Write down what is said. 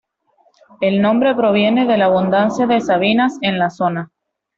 El nombre proviene de la abundancia de sabinas en la zona.